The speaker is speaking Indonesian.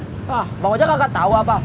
hah bang ojek kakak tau apa